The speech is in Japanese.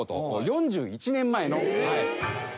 ４１年前の。